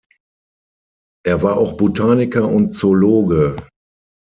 Er war auch Botaniker und Zoologe.